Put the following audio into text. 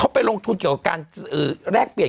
อึกอึกอึกอึกอึก